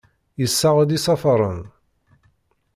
Yessaɣ-d isafaren.